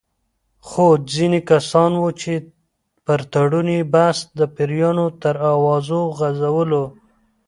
خو ځینې کسان وو چې پر تړون یې بحث د پیریانو تر اوازو غـځولو.